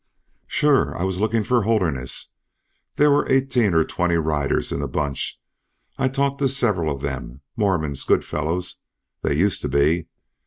"Sure. I was looking for Holderness. There were eighteen or twenty riders in the bunch. I talked to several of them, Mormons, good fellows, they used to be.